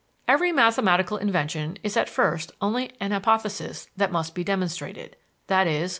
Every mathematical invention is at first only an hypothesis that must be demonstrated, i.e.